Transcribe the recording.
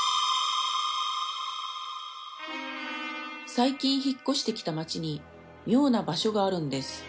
「最近引っ越してきた町に妙な場所があるんです」